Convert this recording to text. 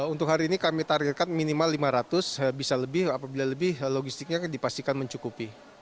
untuk hari ini kami targetkan minimal lima ratus bisa lebih apabila lebih logistiknya dipastikan mencukupi